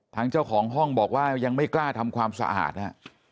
ทางเจ้าของห้องบอกว่ายังไม่กล้าทำความสะอาดนะฮะ